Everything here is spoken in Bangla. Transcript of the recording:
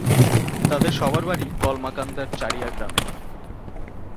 তাঁদের সবার বাড়ি কলমাকান্দার চারিয়া গ্রামে।